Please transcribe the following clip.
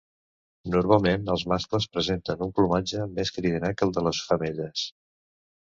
Normalment, els mascles presenten un plomatge més cridaner que el de les femelles.